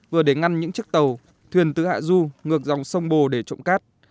vừa để ngăn những chiếc tàu thuyền từ hạ du ngược dòng sông bồ để trộm cát